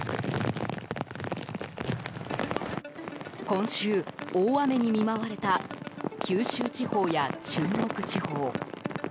今週、大雨に見舞われた九州地方や中国地方。